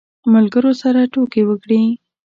ملګرو سره ټوکې وکړې.